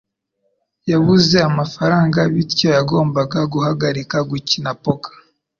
Yabuze amafaranga, bityo yagombaga guhagarika gukina poker.